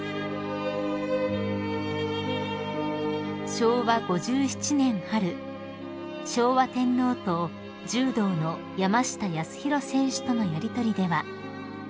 ［昭和５７年春昭和天皇と柔道の山下泰裕選手とのやりとりでは］